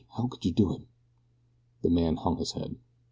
How could you do it?" The man hung his head.